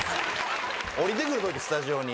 降りてくるとき、スタジオに。